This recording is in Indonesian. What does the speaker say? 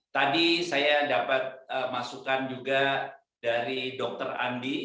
tadi saya dapat masukan juga dari dr andi